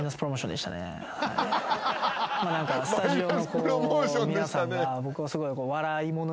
何かスタジオの皆さんが僕をすごい。